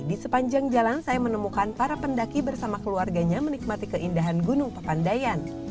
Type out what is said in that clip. di sepanjang jalan saya menemukan para pendaki bersama keluarganya menikmati keindahan gunung pepandayan